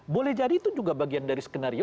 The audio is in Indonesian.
boleh jadi itu juga bagian dari skenario